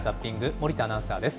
森田アナウンサーです。